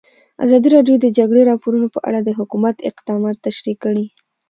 ازادي راډیو د د جګړې راپورونه په اړه د حکومت اقدامات تشریح کړي.